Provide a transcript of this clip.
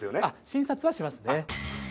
診察はしますね